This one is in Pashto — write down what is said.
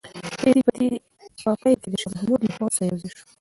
رېدی په پای کې د شاه محمود له پوځ سره یوځای شو.